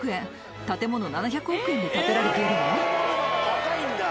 高いんだ。